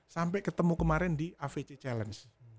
sampai ketemu kemarin di avc challenge